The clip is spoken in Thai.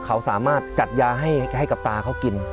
เขาสามารถจัดยาให้กับตาเขากิน